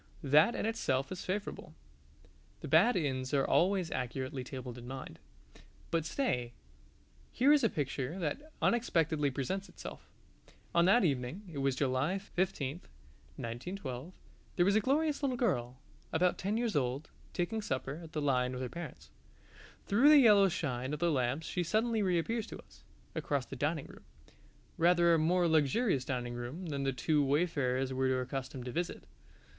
That in itself is favourable: the bad inns are always accurately tabled in mind. But stay here is a picture that unexpectedly presents itself. On that evening (it was July 15, 1912) there was a glorious little girl, about ten years old, taking supper at the Lion with her parents. Through the yellow shine of the lamps she suddenly reappears to us, across the dining room rather a more luxurious dining room than the two wayfarers were accustomed to visit.